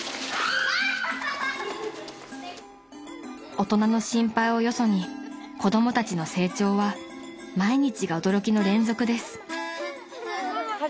［大人の心配をよそに子供たちの成長は毎日が驚きの連続です］